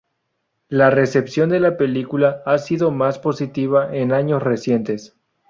La recepción de la película ha sido más positiva en años recientes.